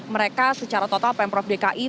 mereka secara total pemprov dki